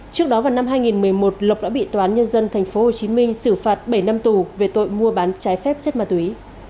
trước đó vào năm hai nghìn một mươi một lộc đã bị toán nhân dân tp hcm xử phạt bảy năm tù về tội mua bán trái phép chất ma túy